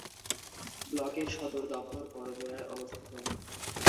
ব্লকের সদর দফতর বড়জোড়ায় অবস্থিত।